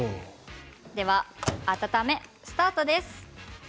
温めスタートです。